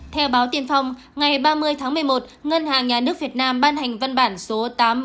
theo báo tiên phong ngày ba mươi tháng một mươi một ngân hàng nhà nước việt nam ban hành văn bản số tám